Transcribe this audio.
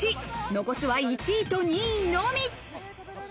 残すは１位と２位のみ。